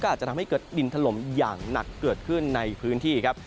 อาจจะทำให้เกิดดินถล่มอย่างหนักเกิดขึ้นในพื้นที่ครับ